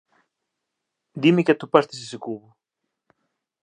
Dime que atopastes ese Cubo.